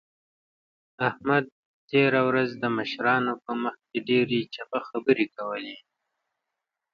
احمد تېره ورځ د مشرانو په مخ کې ډېرې چپه خبرې کولې.